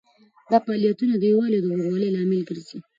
دا فعالیتونه د یووالي او ورورولۍ لامل ګرځي.